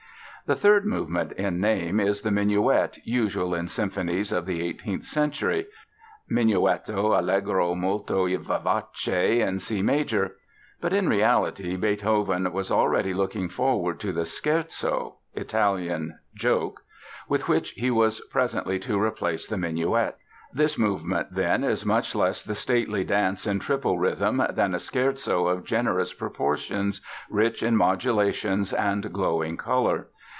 The third movement in name is the minuet usual in symphonies of the eighteenth century ("Menuetto: Allegro molto e vivace," in C major), but in reality Beethoven was already looking forward to the scherzo (Italian, joke) with which he was presently to replace the minuet. This movement, then, is much less the stately dance in triple rhythm than a scherzo of generous proportions, rich in modulations and glowing color.